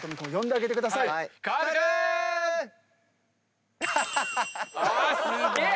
あすげえ！